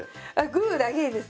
グーだけです。